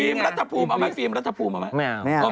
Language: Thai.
ฟีมรัชภูมิเอาไหมฟีมรัชภูมิเอาไหม